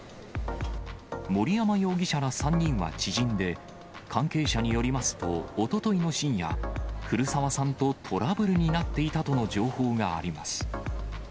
森山容疑者ら３人は知人で、関係者によりますと、おとといの深夜、古沢さんとトラブルになっていたとの情報があります。